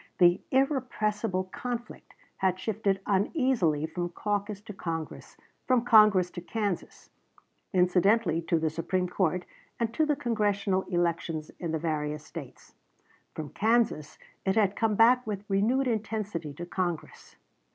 The "irrepressible conflict" had shifted uneasily from caucus to Congress; from Congress to Kansas; incidentally to the Supreme Court and to the Congressional elections in the various States; from Kansas it had come back with renewed intensity to Congress.